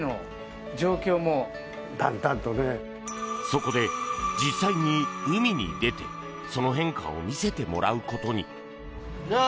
そこで、実際に海に出てその変化を見せてもらうことに。